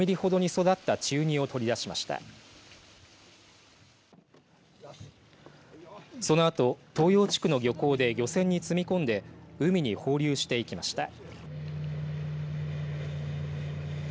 そのあと東洋地区の漁港で漁船に積み込んで海に放流していきました。